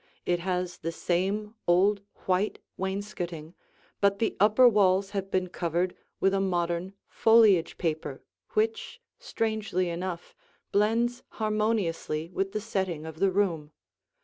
It has the same old white wainscoting, but the upper walls have been covered with a modern foliage paper which, strangely enough, blends harmoniously with the setting of the room.